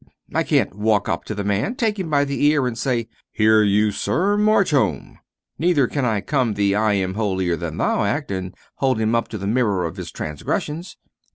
"I can't walk up to the man, take him by the ear, and say: 'Here, you, sir march home!' Neither can I come the 'I am holier than thou' act, and hold up to him the mirror of his transgressions."